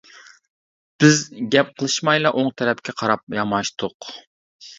بىز گەپ قىلىشمايلا ئوڭ تەرەپكە قاراپ ياماشتۇق.